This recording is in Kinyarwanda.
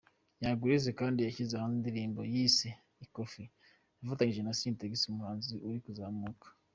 Young Grace kandi yashyize hanze indirimbo yise “Ikofi” yafatanyije na Syntex, umuhanzi uri kuzamuka.